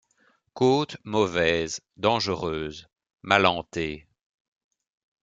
Côte mauvaise, dangereuse, mal hantée.